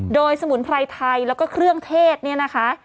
โดยสมุนไพรไทยแล้วก็เครื่องเทศเนี่ยนะคะ